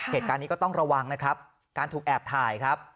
เหตุการณ์นี้ก็ต้องระวังนะครับการถูกแอบถ่ายครับ